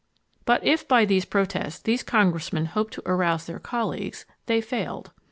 But if by these protests these congressmen hoped to arouse their colleagues, they failed.